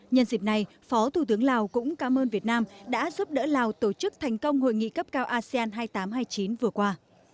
nhân dịp này phó thủ tướng lào cũng cảm ơn việt nam đã giúp đỡ lào tổ chức thành công hội nghị cấp cao asean hai nghìn tám trăm hai mươi chín vừa qua